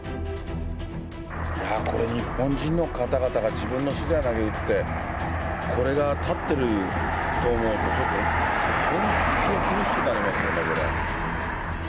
これ、日本人の方々が自分の資材をなげうって、これが建ってると思うと、ちょっと本当苦しくなりますよね、これ。